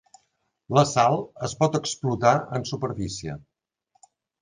La sal es pot explotar en superfície.